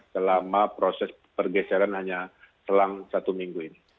selama proses pergeseran hanya selang satu minggu ini